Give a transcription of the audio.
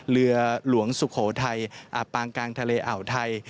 เรือหลวงสุโขทัยอับปางกลางทะเลอ่าวไทย